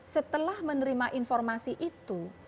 setelah menerima informasi itu